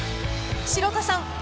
［城田さん